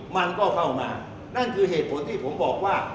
มันก็เข้ามานั่นคือเหตุผลที่ผมบอกว่า